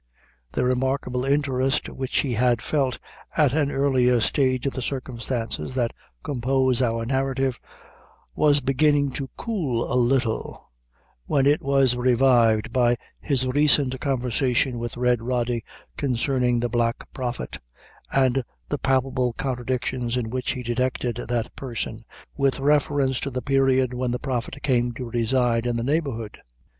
The remarkable interest which he had felt at an earlier stage of the circumstances that compose our narrative, was beginning to cool a little, when it was revived by his recent conversation with Red Rody concerning the Black Prophet, and the palpable contradictions in which he detected that person, with reference to the period when the Prophet came to reside in the neighborhood.